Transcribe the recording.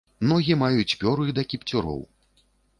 Ногі маюць пёры да кіпцюроў.